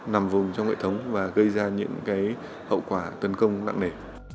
nằm vùng trong hệ thống và gây ra những hậu quả tấn công nặng nề